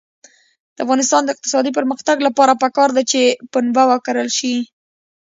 د افغانستان د اقتصادي پرمختګ لپاره پکار ده چې پنبه وکرل شي.